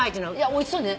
おいしそうね。